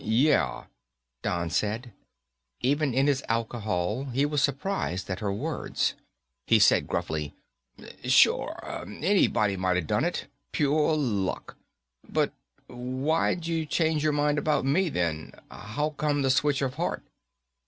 "Yeah," Don said. Even in his alcohol, he was surprised at her words. He said gruffly, "Sure anybody might've done it. Pure luck. But why'd you change your mind about me, then? How come the switch of heart?"